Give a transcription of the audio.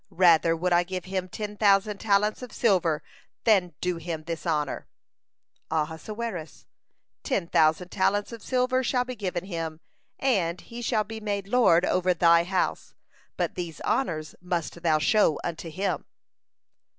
Rather would I give him ten thousand talents of silver than do him this honor." Ahasuerus: "Ten thousand talents of silver shall be given him, and he shall be made lord over thy house, but these honors must thou show unto him."